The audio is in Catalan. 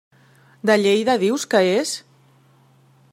De Lleida dius que és?